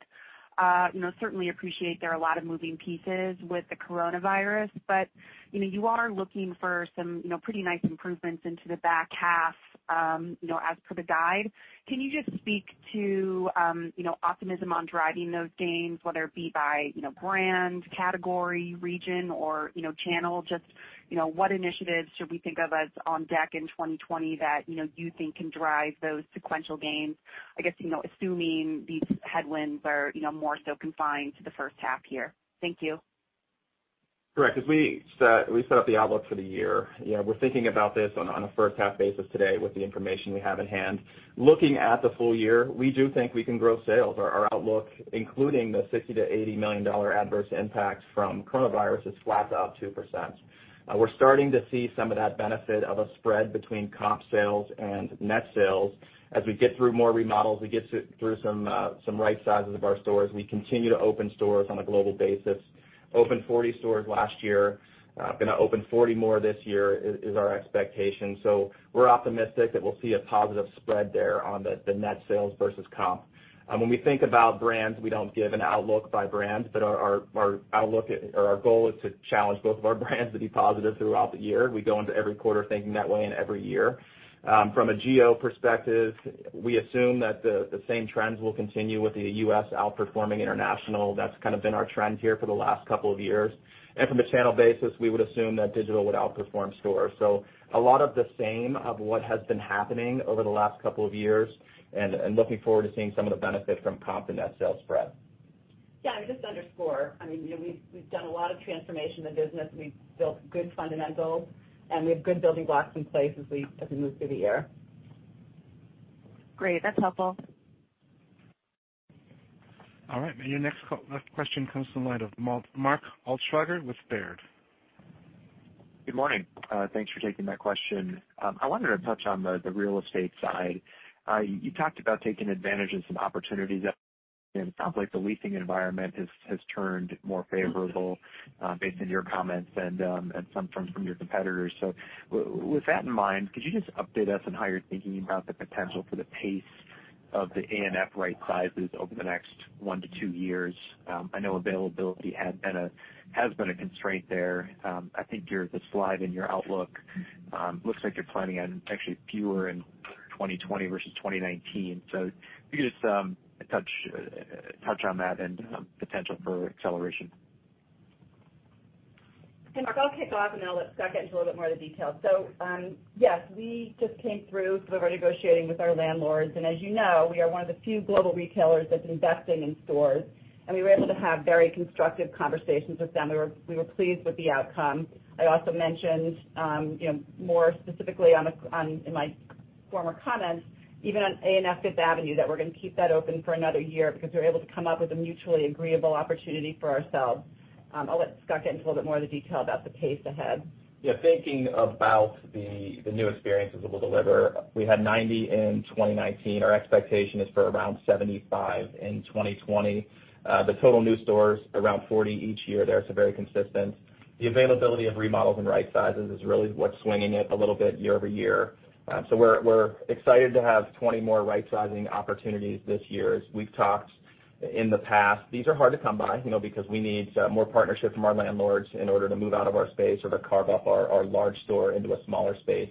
certainly appreciate there are a lot of moving pieces with the coronavirus, but you are looking for some pretty nice improvements into the back half as per the guide. Can you just speak to optimism on driving those gains, whether it be by brand, category, region, or channel just What initiatives should we think of as on deck in 2020 that you think can drive those sequential gains? I guess, assuming these headwinds are more so confined to the first half here. Thank you. Correct. As we set up the outlook for the year, we're thinking about this on a first half basis today with the information we have at hand. Looking at the full year, we do think we can grow sales. Our outlook, including the $60 million-$80 million adverse impact from coronavirus, is flat to up 2%. We're starting to see some of that benefit of a spread between comp sales and net sales. As we get through more remodels, we get through some right sizes of our stores, we continue to open stores on a global basis. Opened 40 stores last year. Going to open 40 more this year is our expectation. We're optimistic that we'll see a positive spread there on the net sales versus comp. When we think about brands, we don't give an outlook by brands, but our goal is to challenge both of our brands to be positive throughout the year. We go into every quarter thinking that way and every year. From a geo perspective, we assume that the same trends will continue with the U.S. outperforming international. That's kind of been our trend here for the last couple of years. From a channel basis, we would assume that digital would outperform stores. A lot of the same of what has been happening over the last couple of years and looking forward to seeing some of the benefit from comp and net sales spread. Yeah, just to underscore, we've done a lot of transformation in the business. We've built good fundamentals, and we have good building blocks in place as we move through the year. Great. That's helpful. All right. Your next question comes from the line of Mark Altschwager with Baird. Good morning. Thanks for taking my question. I wanted to touch on the real estate side. You talked about taking advantage of some opportunities. It sounds like the leasing environment has turned more favorable based on your comments and some from your competitors. With that in mind, could you just update us on how you're thinking about the potential for the pace of the A&F right sizes over the next one to two years? I know availability has been a constraint there. I think the slide in your outlook looks like you're planning on actually fewer in 2020 versus 2019. If you could just touch on that and potential for acceleration. Hey, Mark, I'll kick off and then I'll let Scott get into a little bit more of the details. Yes, we just came through with our negotiating with our landlords. As you know, we are one of the few global retailers that's investing in stores, and we were able to have very constructive conversations with them, and we were pleased with the outcome. I also mentioned, more specifically in my former comments, even on A&F Fifth Avenue, that we're going to keep that open for another year because we were able to come up with a mutually agreeable opportunity for ourselves. I'll let Scott get into a little bit more of the detail about the pace ahead. Thinking about the new experiences that we'll deliver, we had 90 in 2019. Our expectation is for around 75 in 2020. The total new stores, around 40 each year there, so very consistent. The availability of remodels and right sizes is really what's swinging it a little bit year-over-year. We're excited to have 20 more rightsizing opportunities this year. As we've talked in the past, these are hard to come by because we need more partnership from our landlords in order to move out of our space or to carve up our large store into a smaller space.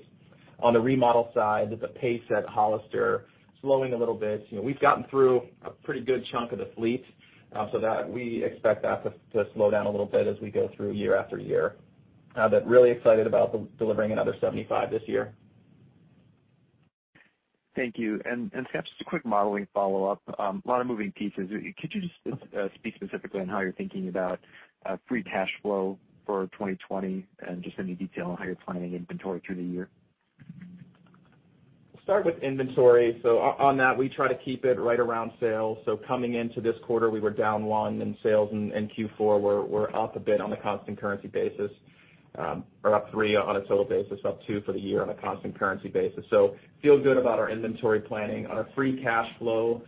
On the remodel side, the pace at Hollister is slowing a little bit. We've gotten through a pretty good chunk of the fleet, so we expect that to slow down a little bit as we go through year after year. Really excited about delivering another 75 this year. Thank you. Scott, just a quick modeling follow-up. A lot of moving pieces. Could you just speak specifically on how you're thinking about free cash flow for 2020 and just any detail on how you're planning inventory through the year? I'll start with inventory. On that, we try to keep it right around sales. Coming into this quarter, we were down 1% in sales, and Q4 we're up a bit on a constant currency basis, or up 3% on a total basis, up 2% for the year on a constant currency basis. Feel good about our inventory planning. On our free cash flow,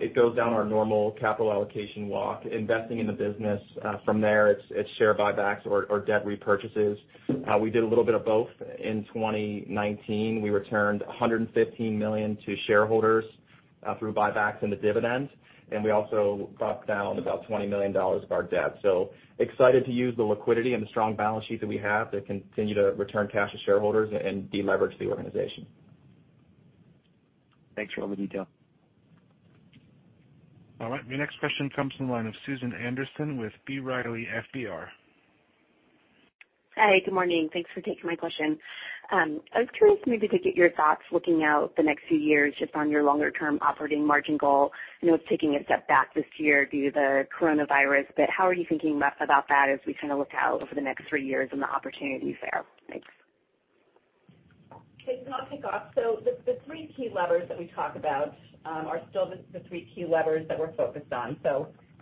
it goes down our normal capital allocation walk, investing in the business. From there, it's share buybacks or debt repurchases. We did a little bit of both in 2019. We returned $115 million to shareholders through buybacks and the dividends, and we also bought down about $20 million of our debt. Excited to use the liquidity and the strong balance sheet that we have to continue to return cash to shareholders and de-leverage the organization. Thanks for all the detail. All right. Your next question comes from the line of Susan Anderson with B. Riley FBR. Hi, good morning. Thanks for taking my question. I was curious maybe to get your thoughts looking out the next few years just on your longer term operating margin goal. I know it's taking a step back this year due to the coronavirus, how are you thinking about that as we look out over the next three years and the opportunities there? Thanks. I'll kick off. The three key levers that we talk about are still the three key levers that we're focused on.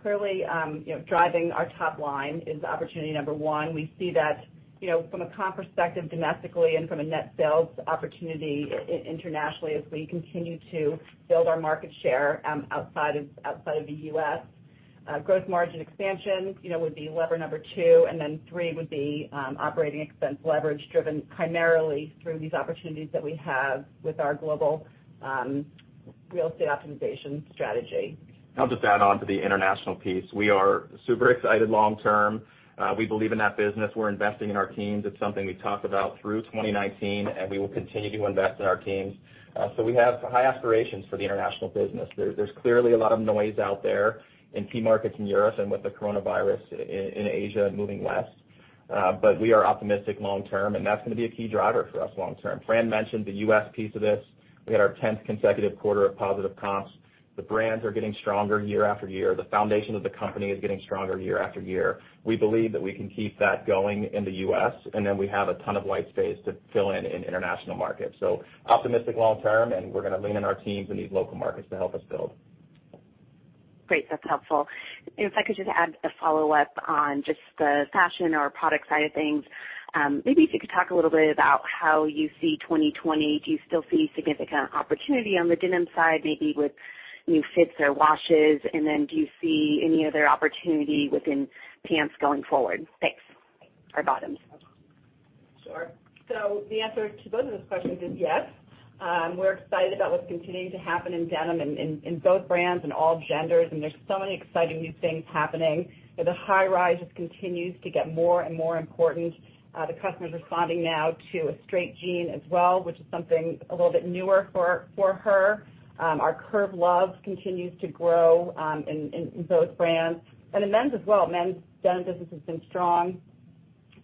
Clearly, driving our top line is opportunity number one. We see that from a comp perspective domestically and from a net sales opportunity internationally as we continue to build our market share outside of the U.S. Growth margin expansion would be lever number two, and three would be operating expense leverage driven primarily through these opportunities that we have with our global real estate optimization strategy. I'll just add onto the international piece. We are super excited long term. We believe in that business. We're investing in our teams. It's something we talked about through 2019. We will continue to invest in our teams. We have high aspirations for the international business. There's clearly a lot of noise out there in key markets in Europe and with the coronavirus in Asia moving west. We are optimistic long term, that's going to be a key driver for us long term. Fran mentioned the U.S. piece of this. We had our 10th consecutive quarter of positive comps. The brands are getting stronger year after year. The foundation of the company is getting stronger year after year. We believe that we can keep that going in the U.S. We have a ton of white space to fill in international markets. Optimistic long term, and we're going to lean on our teams in these local markets to help us build. Great. That's helpful. If I could just add a follow-up on just the fashion or product side of things. Maybe if you could talk a little bit about how you see 2020. Do you still see significant opportunity on the denim side, maybe with new fits or washes? Do you see any other opportunity within pants going forward? Thanks. Or bottoms. Sure. The answer to both of those questions is yes. We're excited about what's continuing to happen in denim in both brands and all genders, and there's so many exciting new things happening. The high rise just continues to get more and more important. The customer's responding now to a straight jean as well, which is something a little bit newer for her. Our Curve Love continues to grow, in both brands and in men's as well. Men's denim business has been strong,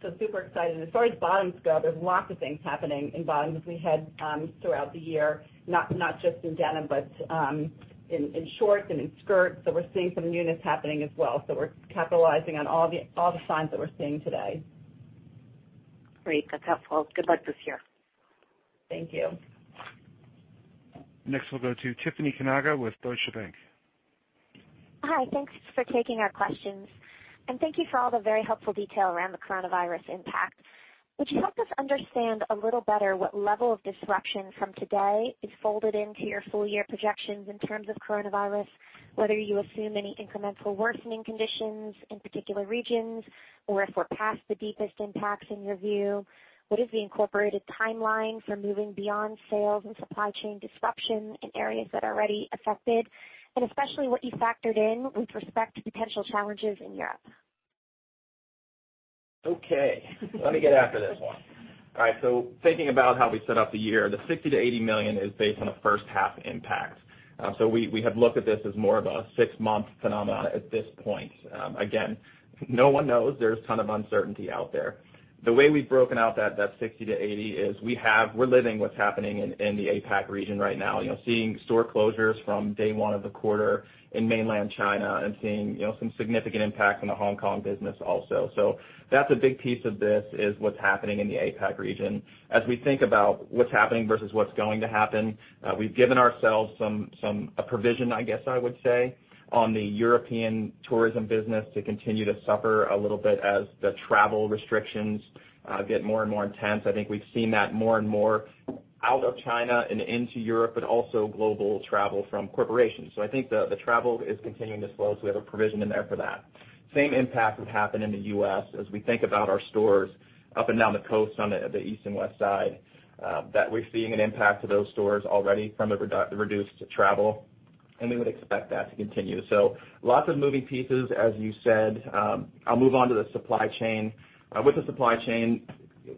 so super excited. As far as bottoms go, there's lots of things happening in bottoms as we head throughout the year, not just in denim, but in shorts and in skirts. We're seeing some newness happening as well. We're capitalizing on all the signs that we're seeing today. Great. That's helpful. Good luck this year. Thank you. Next, we'll go to Tiffany Kanaga with Deutsche Bank. Hi. Thanks for taking our questions. Thank you for all the very helpful detail around the coronavirus impact. Would you help us understand a little better what level of disruption from today is folded into your full year projections in terms of coronavirus, whether you assume any incremental worsening conditions in particular regions, or if we're past the deepest impacts in your view? What is the incorporated timeline for moving beyond sales and supply chain disruption in areas that are already affected, and especially what you factored in with respect to potential challenges in Europe? Okay. Let me get after this one. All right. Thinking about how we set up the year, the $60 million-$80 million is based on a first half impact. We have looked at this as more of a six-month phenomenon at this point. Again, no one knows. There's a ton of uncertainty out there. The way we've broken out that 60-80 is we're living what's happening in the APAC region right now. Seeing store closures from day one of the quarter in mainland China and seeing some significant impact on the Hong Kong business also. That's a big piece of this, is what's happening in the APAC region. As we think about what's happening versus what's going to happen, we've given ourselves a provision, I guess I would say, on the European tourism business to continue to suffer a little bit as the travel restrictions get more and more intense. I think we've seen that more and more out of China and into Europe, but also global travel from corporations. I think the travel is continuing to slow, so we have a provision in there for that. Same impact would happen in the U.S. as we think about our stores up and down the coast on the east and west side, that we're seeing an impact to those stores already from the reduced travel, and we would expect that to continue. Lots of moving pieces, as you said. I'll move on to the supply chain. With the supply chain,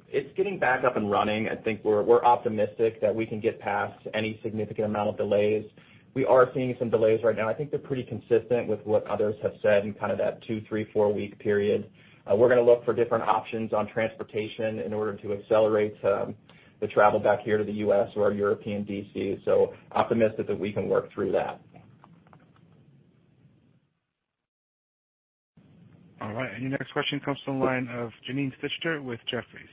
it's getting back up and running. I think we're optimistic that we can get past any significant amount of delays. We are seeing some delays right now. I think they're pretty consistent with what others have said in that two, three, four-week period. We're going to look for different options on transportation in order to accelerate the travel back here to the U.S. or our European DCs. Optimistic that we can work through that. All right. Your next question comes from the line of Janine Stichter with Jefferies.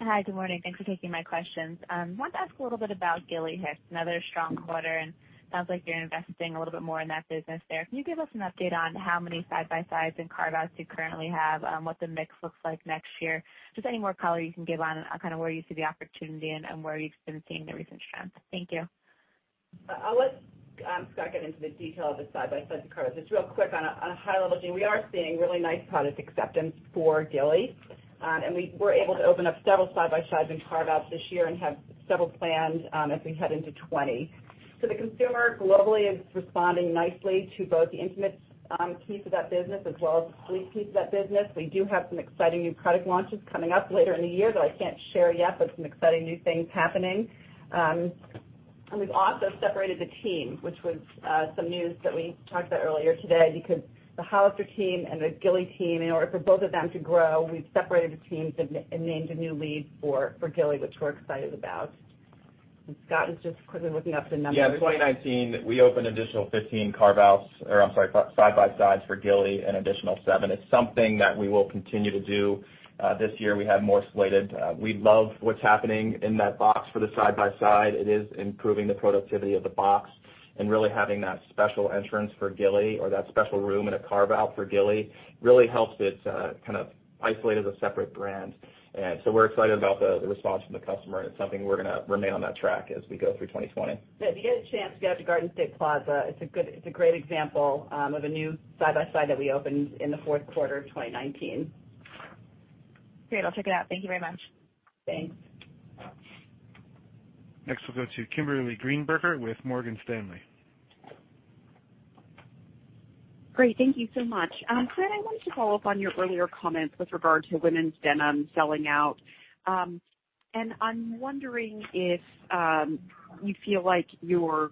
Hi, good morning. Thanks for taking my questions. Wanted to ask a little bit about Gilly Hicks, another strong quarter, and sounds like you're investing a little bit more in that business there. Can you give us an update on how many side-by-sides and carve-outs you currently have, what the mix looks like next year? Just any more color you can give on, kind of where you see the opportunity and where you've been seeing the recent trends. Thank you. I'll let Scott get into the detail of the side-by-sides and carve-outs. Just real quick, on a high level, Janine, we are seeing really nice product acceptance for Gilly. We were able to open up several side-by-sides and carve-outs this year and have several planned as we head into 2020. The consumer globally is responding nicely to both the intimates piece of that business as well as the sleep piece of that business. We do have some exciting new product launches coming up later in the year that I can't share yet, but some exciting new things happening. We've also separated the team, which was some news that we talked about earlier today, because the Hollister team and the Gilly team, in order for both of them to grow, we've separated the teams and named a new lead for Gilly, which we're excited about. Scott is just quickly looking up the numbers. Yeah. In 2019, we opened additional 15 side-by-sides for Gilly, an additional seven. It's something that we will continue to do. This year, we have more slated. We love what's happening in that box for the side-by-side. It is improving the productivity of the box and really having that special entrance for Gilly or that special room in a carve-out for Gilly really helps it kind of isolate as a separate brand. We're excited about the response from the customer, and it's something we're going to remain on that track as we go through 2020. Yeah. If you get a chance to go out to Garden State Plaza, it's a great example of a new side-by-side that we opened in the fourth quarter of 2019. Great. I'll check it out. Thank you very much. Thanks. Next, we'll go to Kimberly Greenberger with Morgan Stanley. Great. Thank you so much. Fran, I wanted to follow up on your earlier comments with regard to women's denim selling out. I'm wondering if you feel like your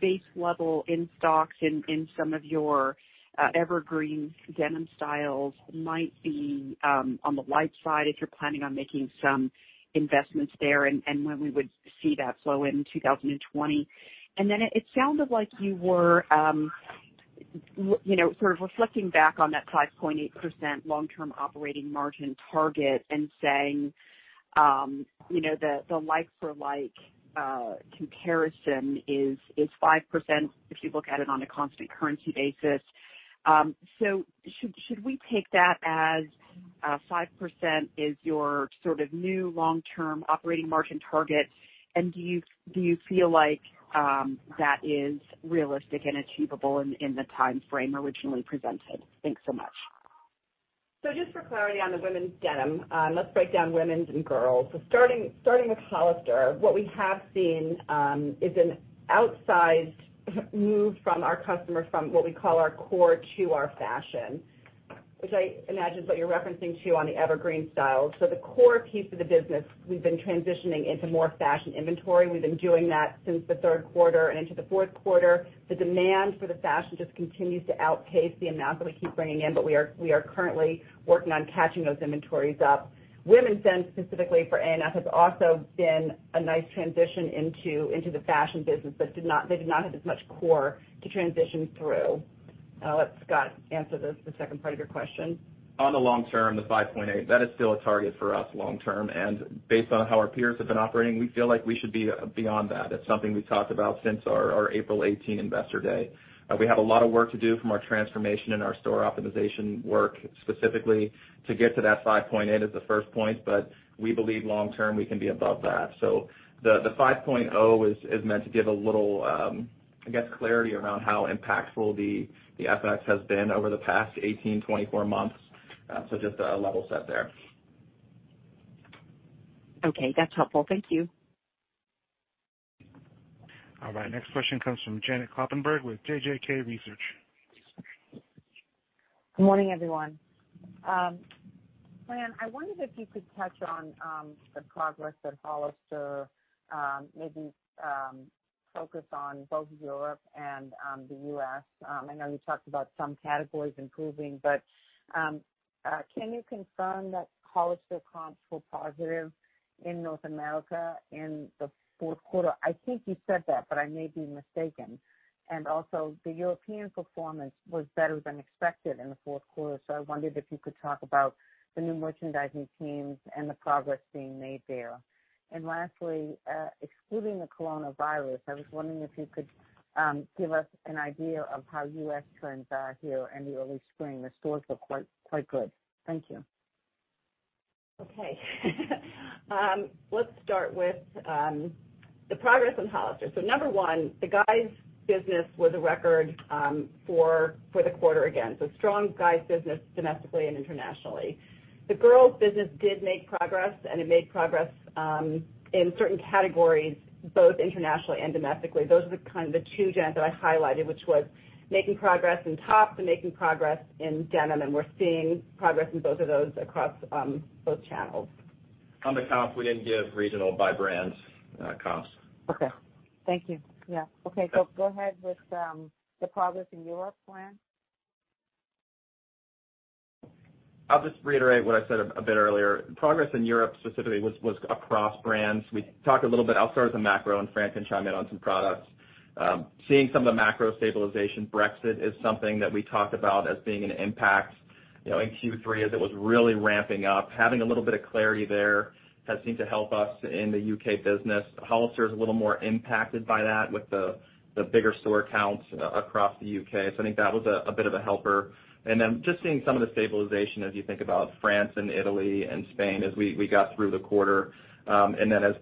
base level in stocks in some of your evergreen denim styles might be on the light side if you're planning on making some investments there, and when we would see that flow in 2020. It sounded like you were reflecting back on that 5.8% long-term operating margin target and saying that the like-for-like comparison is 5%, if you look at it on a constant currency basis. Should we take that as 5% is your new long-term operating margin target, and do you feel like that is realistic and achievable in the timeframe originally presented? Thanks so much. Just for clarity on the women's denim, let's break down women's and girls. Starting with Hollister, what we have seen is an outsized move from our customers from what we call our core to our fashion, which I imagine is what you're referencing too on the evergreen style. The core piece of the business, we've been transitioning into more fashion inventory. We've been doing that since the third quarter and into the fourth quarter. The demand for the fashion just continues to outpace the amount that we keep bringing in, but we are currently working on catching those inventories up. Women's denim, specifically for A&F, has also been a nice transition into the fashion business, but they did not have as much core to transition through. I'll let Scott answer the second part of your question. On the long term, the 5.8%, that is still a target for us long term, and based on how our peers have been operating, we feel like we should be beyond that. It's something we've talked about since our April 2018 investor day. We have a lot of work to do from our transformation and our store optimization work specifically to get to that 5.8% as the first point, but we believe long term, we can be above that. The 5.0% is meant to give a little clarity around how impactful the effects have been over the past 18, 24 months. Just a level set there. Okay. That's helpful. Thank you. All right. Next question comes from Janet Kloppenburg with JJK Research. Good morning, everyone. Fran, I wondered if you could touch on the progress at Hollister, maybe focus on both Europe and the U.S. I know you talked about some categories improving, can you confirm that Hollister comps were positive in North America in the fourth quarter? I think you said that, I may be mistaken. Also, the European performance was better than expected in the fourth quarter, I wondered if you could talk about the new merchandising teams and the progress being made there. Lastly, excluding the coronavirus, I was wondering if you could give us an idea of how U.S. trends are here in the early spring. The stores look quite good. Thank you. Okay. Let's start with the progress on Hollister. Number one, the guys business was a record for the quarter again. Strong guys business domestically and internationally. The girls business did make progress, and it made progress in certain categories both internationally and domestically. Those are the two gens that I highlighted, which was making progress in tops and making progress in denim, we're seeing progress in both of those across both channels. On the comp, we didn't give regional by brands comps. Okay. Thank you. Yeah. Okay, go ahead with the progress in Europe, Fran. I'll just reiterate what I said a bit earlier. Progress in Europe specifically was across brands. We talked a little bit, I'll start with the macro, and Fran can chime in on some products. Seeing some of the macro stabilization, Brexit is something that we talked about as being an impact in Q3 as it was really ramping up. Having a little bit of clarity there has seemed to help us in the U.K. business. Hollister is a little more impacted by that with the bigger store counts across the U.K. I think that was a bit of a helper. Just seeing some of the stabilization as you think about France and Italy and Spain as we got through the quarter. As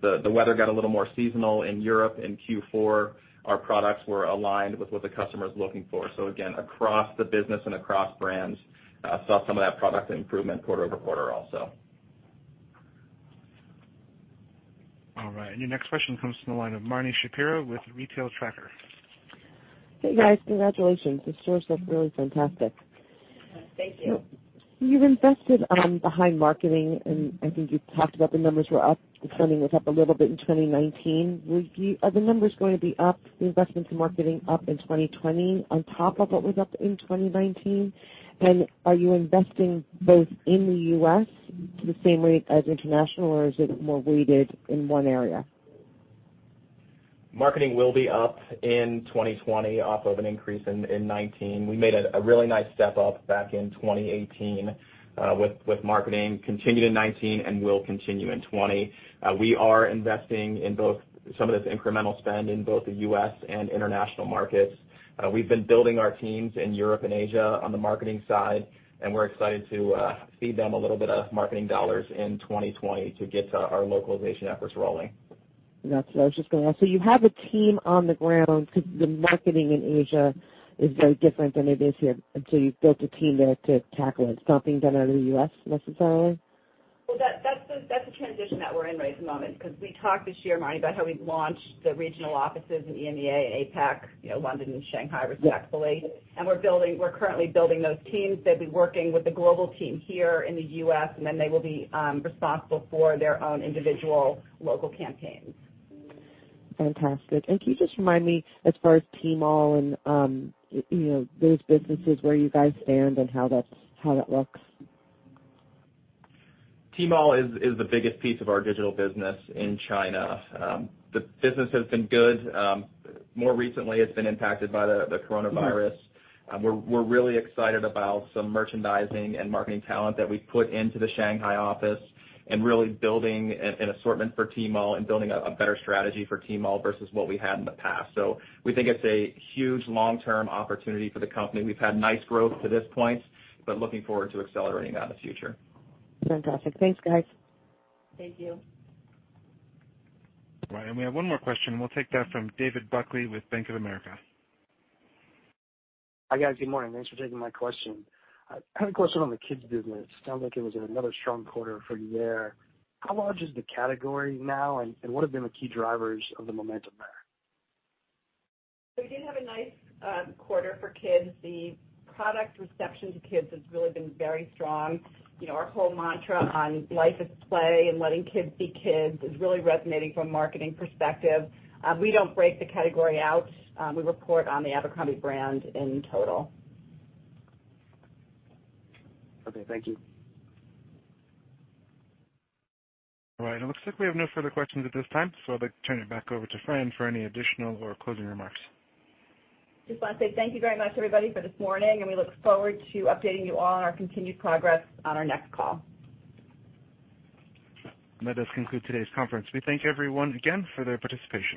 the weather got a little more seasonal in Europe in Q4, our products were aligned with what the customer's looking for. Again, across the business and across brands, saw some of that product improvement quarter-over-quarter also. All right. Your next question comes from the line of Marni Shapiro with Retail Tracker. Hey, guys. Congratulations. The stores look really fantastic. Thank you. You've invested behind marketing, and I think you've talked about the numbers were up, spending was up a little bit in 2019. Are the numbers going to be up, the investments in marketing up in 2020 on top of what was up in 2019? Are you investing both in the U.S. the same rate as international, or is it more weighted in one area? Marketing will be up in 2020 off of an increase in 2019. We made a really nice step up back in 2018 with marketing, continued in 2019, and will continue in 2020. We are investing some of this incremental spend in both the U.S. and international markets. We've been building our teams in Europe and Asia on the marketing side, and we're excited to feed them a little bit of marketing dollars in 2020 to get our localization efforts rolling. That's what I was just going to ask. You have a team on the ground because the marketing in Asia is very different than it is here, and you've built a team there to tackle it. It's not being done out of the U.S. necessarily? Well, that's the transition that we're in right at the moment because we talked this year, Marni, about how we launched the regional offices in EMEA and APAC, London and Shanghai, respectfully. We're currently building those teams. They'll be working with the global team here in the U.S., they will be responsible for their own individual local campaigns. Fantastic. Can you just remind me as far as Tmall and those businesses, where you guys stand and how that looks? Tmall is the biggest piece of our digital business in China. The business has been good. More recently, it's been impacted by the coronavirus. We're really excited about some merchandising and marketing talent that we've put into the Shanghai office and really building an assortment for Tmall and building a better strategy for Tmall versus what we had in the past. We think it's a huge long-term opportunity for the company. We've had nice growth to this point, but looking forward to accelerating that in the future. Fantastic. Thanks, guys. Thank you. Right. We have one more question. We'll take that from David Buckley with Bank of America. Hi, guys. Good morning. Thanks for taking my question. I had a question on the kids business. Sounded like it was another strong quarter for you there. How large is the category now, and what have been the key drivers of the momentum there? We did have a nice quarter for Kids. The product reception to Kids has really been very strong. Our whole mantra on life is play and letting kids be kids is really resonating from a marketing perspective. We don't break the category out. We report on the Abercrombie brand in total. Okay, thank you. All right, it looks like we have no further questions at this time. I'd like to turn it back over to Fran for any additional or closing remarks. Just want to say thank you very much, everybody, for this morning, and we look forward to updating you all on our continued progress on our next call. That does conclude today's conference. We thank everyone again for their participation.